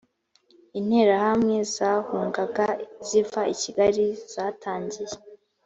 interahamwe zahungaga ziva i kigali zatangiye